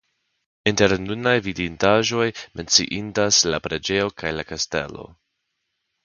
Inter nunaj vidindaĵoj menciindas la preĝejo kaj la kastelo.